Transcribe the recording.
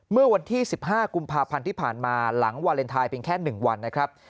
เมื่อวันที่๑๕กุมภาพันธ์ที่ผ่านมาหลังวาเลนไทยเพียงแค่๑วันนะครับ